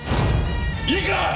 いいか！